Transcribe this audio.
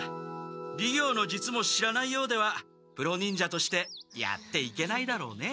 「離行の術」も知らないようではプロ忍者としてやっていけないだろうね。